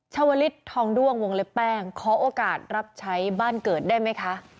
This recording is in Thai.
ชาวลิศทองด้วงวงเล็บแป้งขอโอกาสรับใช้บ้านเกิดได้ไหมคะ